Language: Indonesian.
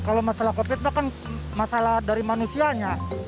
kalau masalah covid mah kan masalah dari manusianya